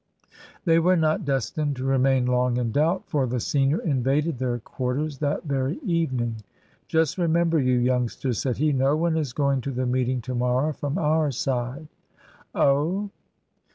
They were not destined to remain long in doubt, for the senior invaded their quarters that very evening. "Just remember, you youngsters," said he, "no one is going to the meeting to morrow from our side." "Oh?"